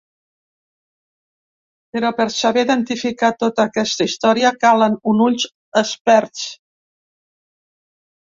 Però per saber identificar tota aquesta història, calen uns ulls experts.